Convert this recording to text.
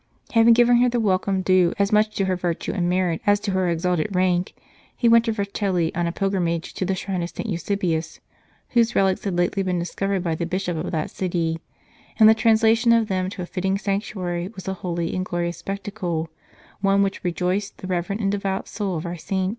Having given her the welcome due as much to her virtue and merit as to her exalted rank, he went to Vercelli on a pilgrimage to the shrine of St. Eusebius, whose relics had lately been discovered by the Bishop of that city, and the translation of them to a fitting sanctuary was a holy and glorious spectacle, one which rejoiced the reverent and devout soul of our saint.